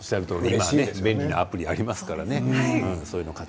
今、便利なアプリがありますからね。